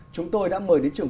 chúng tôi đã mời đến trường phòng